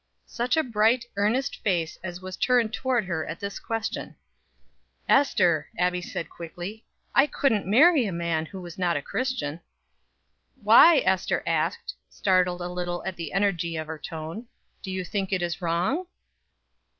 Such a bright, earnest face as was turned toward her at this question! "Ester," said Abbie quickly, "I couldn't marry a man who was not a Christian." "Why," Ester asked, startled a little at the energy of her tone, "do you think it is wrong?"